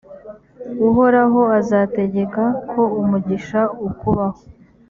uhoraho azategeka ko umugisha ukubaho,